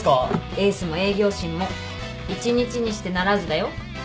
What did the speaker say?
エースも営業神も一日にして成らずだよ。